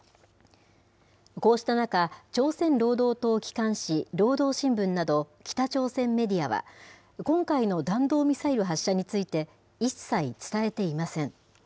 こうした中、朝鮮労働党機関紙、労働新聞など北朝鮮メディアは、今回の弾道ミサイル発射について、一切伝えていません。